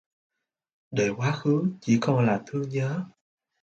Để quá khứ chỉ còn là thương nhớ